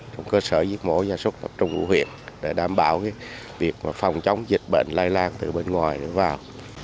trong cơ sở giết mổ ra xúc trung vụ huyện để đảm bảo việc phòng chống dịch bệnh lai lan từ bên ngoài vào